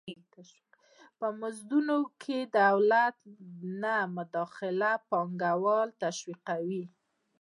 په مزدونو کې د دولت نه مداخله پانګوال تشویقوي.